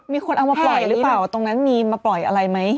มีคนเอามาปล่อยหรือเปล่าตรงนั้นมีมาปล่อยอะไรไหม